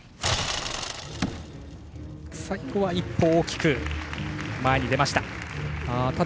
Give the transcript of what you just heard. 最後は、１歩大きく前に出ました。